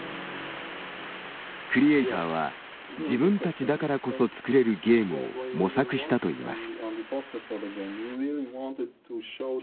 クリエーターは「自分たちだからこそ作れるゲーム」を模索したといいます。